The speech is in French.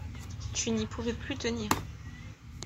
Tu n'y pouvais plus tenir!